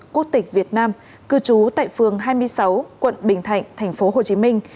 quốc tịch việt nam cư trú tại phường hai mươi sáu quận bình thạnh thành phố hồ chí minh